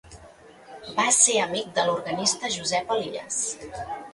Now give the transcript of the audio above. Va ser amic de l'organista Josep Elies.